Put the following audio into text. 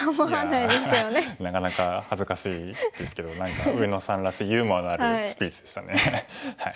なかなか恥ずかしいですけど何か上野さんらしいユーモアのあるスピーチでしたね。